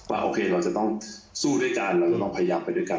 โอเคเราจะต้องสู้ด้วยกันเราจะต้องพยายามไปด้วยกัน